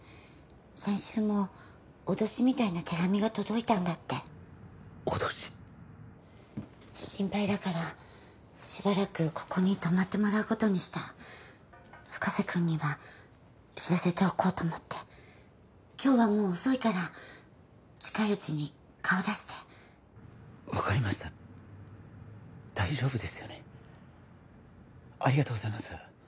先週も脅しみたいな手紙が届いたんだって脅し心配だからしばらくここに泊まってもらうことにした深瀬君には知らせておこうと思って今日はもう遅いから近いうちに顔出して分かりました大丈夫ですよねありがとうございます